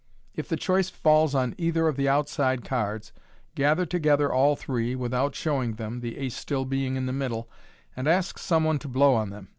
If the choice falls on either of the outside cards, gather together all three, without showing them (the ace still being in the middle) and ask some one to blow on them.